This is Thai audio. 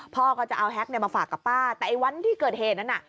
พ่อก็จะเอาแฮ็กมาฝากกับป้าแต่วันที่เกิดเหตุนั้น